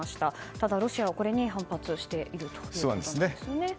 ただ、ロシアはこれに反発しているということです。